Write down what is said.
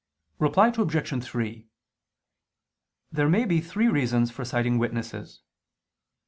Reply Obj. 3: There may be three reasons for citing witnesses.